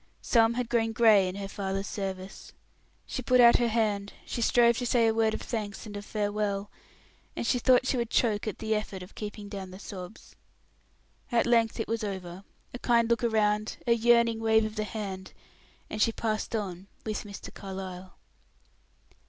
Some had grown gray in her father's service. She put out her hand, she strove to say a word of thanks and of farewell, and she thought she would choke at the effort of keeping down the sobs. At length it was over; a kind look around, a yearning wave of the hand, and she passed on with Mr. Carlyle.